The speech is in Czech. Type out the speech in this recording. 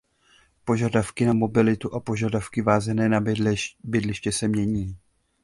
Požadavky na mobilitu a požadavky vázané na bydliště se mění.